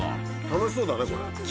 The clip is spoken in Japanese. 楽しそうだねこれ。